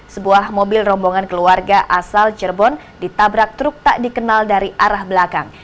sebuah mobil rombongan keluarga asal cirebon ditabrak truk tak dikenal dari arah belakang